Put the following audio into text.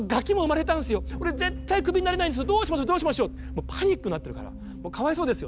もうパニックになってるからもうかわいそうですよね。